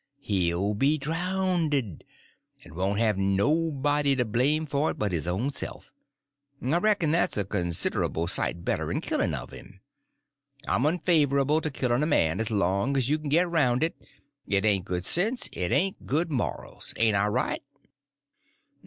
He'll be drownded, and won't have nobody to blame for it but his own self. I reckon that's a considerble sight better 'n killin' of him. I'm unfavorable to killin' a man as long as you can git aroun' it; it ain't good sense, it ain't good morals. Ain't I right?"